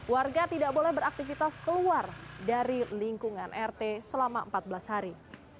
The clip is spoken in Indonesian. warga tidak boleh beraktivitas keluar dari lingkungan rt selama empat belas hari